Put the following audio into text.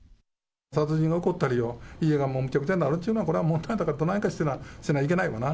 殺人が起こったり、家がむちゃくちゃになるというのは、これはもうどないかしないといけないわな。